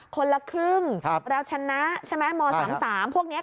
คนละครึ่งแล้วชนะม๓พวกนี้